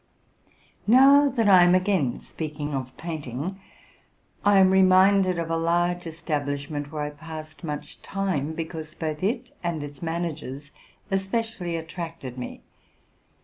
Now that I am again speaking of painting, I am reminded of a large establishment, where I passed much time, because both it 'and its managers especially attracted me.